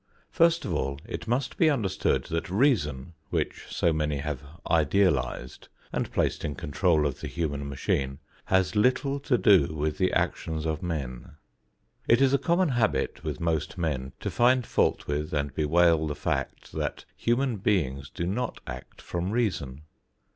First of all, it must be understood that reason, which so many have idealized and placed in control of the human machine, has little to do with the actions of men. It is a common habit with most men to find fault with and bewail the fact that human beings do not act from reason.